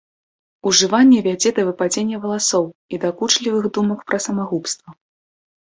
Ужыванне вядзе да выпадзення валасоў і дакучлівых думак пра самагубства.